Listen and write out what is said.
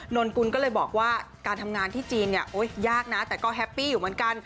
นนกุลก็เลยบอกว่าการทำงานที่จีนเนี่ยยากนะแต่ก็แฮปปี้อยู่เหมือนกัน